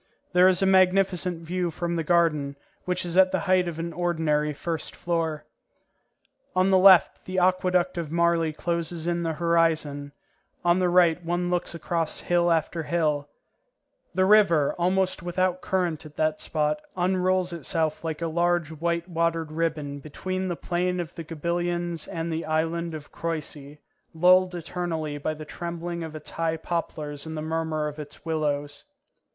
There is a magnificent view from the garden, which is at the height of an ordinary first floor. On the left the Aqueduct of Marly closes in the horizon, on the right one looks across hill after hill; the river, almost without current at that spot, unrolls itself like a large white watered ribbon between the plain of the Gabillons and the island of Croissy, lulled eternally by the trembling of its high poplars and the murmur of its willows.